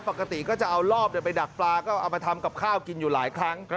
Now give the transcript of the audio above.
ปกติก็จะเอารอบไปดักปลาก็เอามาทำกับข้าวกินอยู่หลายครั้ง